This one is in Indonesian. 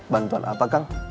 bantuan apa kang